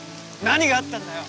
何があったんだよ！